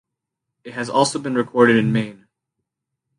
It has also been recorded in Maine.